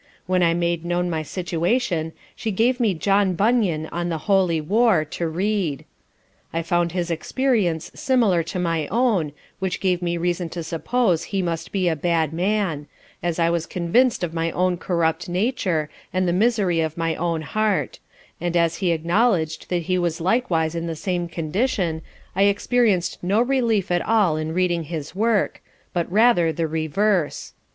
When I made known my situation she gave me John Bunyan on the holy war, to read; I found his experience similar to my own, which gave me reason to suppose he must be a bad man; as I was convinc'd of my own corrupt nature, and the misery of my own heart: and as he acknowledg'd that he was likewise in the same condition, I experienc'd no relief at all in reading his work, but rather the reverse.